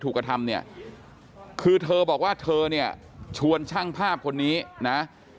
กระทำเนี่ยคือเธอบอกว่าเธอเนี่ยชวนช่างภาพคนนี้นะ